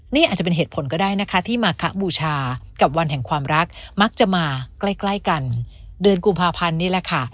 นี่อาจจะเป็นเหตุผลก็ได้นะคะที่มาคบูชากับวันแห่งความรักมักจะมาใกล้ใกล้กันเดือนกุมภาพันธ์นี่แหละค่ะ